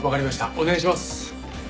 お願いします。